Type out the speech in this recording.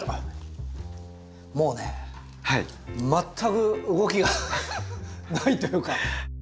もうね全く動きがないというか。